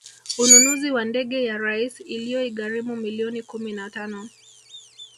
ununuzi wa ndege ya rais uliyoigharimu milioni kumi na tano